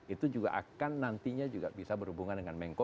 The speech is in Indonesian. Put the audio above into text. itu juga akan nantinya juga bisa berhubungan dengan menko